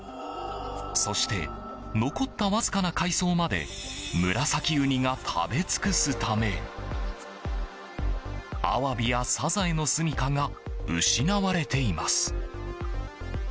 そして残ったわずかな海藻までムラサキウニが食べ尽くすためアワビやサザエのすみかが失われています。